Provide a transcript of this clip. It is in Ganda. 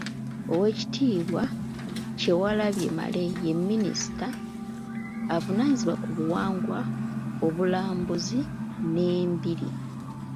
Oweekitiibwa Kyewalabye Male ye minisita avunaanyizibwa ku Buwangwa, Obulambuzi n’Embiri.